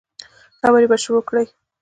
خبرې به يې شروع کړې.